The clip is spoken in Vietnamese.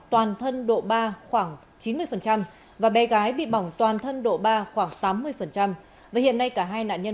toàn thân độ ba khoảng chín mươi và bé gái bị bỏng toàn thân độ ba khoảng tám mươi và hiện nay cả hai nạn nhân